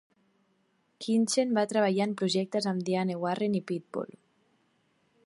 Kinchen va treballar en projectes amb Diane Warren i Pitbull.